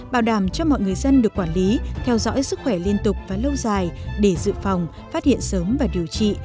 bảo đảm cho mọi người dân được quản lý theo dõi sức khỏe liên tục và lâu dài để dự phòng phát hiện sớm và điều trị